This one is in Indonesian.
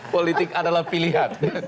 politik adalah pilihan